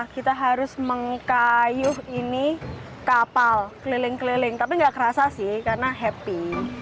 kayu ini kapal keliling keliling tapi nggak kerasa sih karena happy